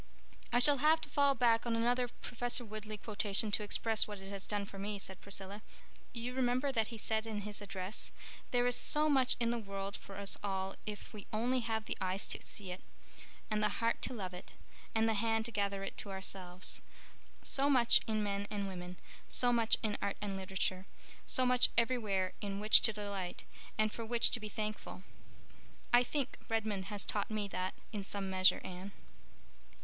"I shall have to fall back on another Professor Woodleigh quotation to express what it has done for me," said Priscilla. "You remember that he said in his address, 'There is so much in the world for us all if we only have the eyes to see it, and the heart to love it, and the hand to gather it to ourselves—so much in men and women, so much in art and literature, so much everywhere in which to delight, and for which to be thankful.' I think Redmond has taught me that in some measure, Anne."